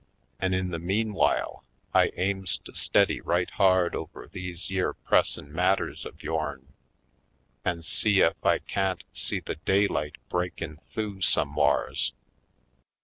An' in the meanwhile I aims to steddy right hard over these yere pressin' matters of your'n an' see ef I can't see the daylight breakin' th'ough somewhars."